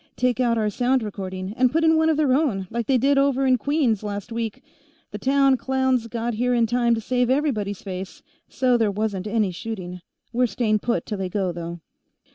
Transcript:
Take out our sound recording, and put in one of their own, like they did over in Queens, last week. The town clowns got here in time to save everybody's face, so there wasn't any shooting. We're staying put till they go, though."